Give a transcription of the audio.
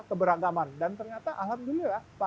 keberagaman dan ternyata alhamdulillah